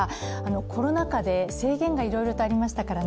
コロナ禍で制限がいろいろとありましたからね